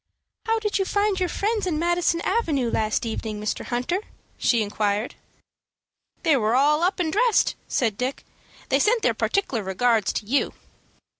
"How did you find your friends in Madison Avenue last evening, Mr. Hunter?" she inquired. "They were all up and dressed," said Dick. "They sent their partic'lar regards to you."